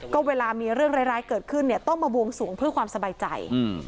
ก็เวลามีเรื่องร้ายเกิดขึ้นเนี่ยต้องมาบวงสวงเพื่อความสบายใจ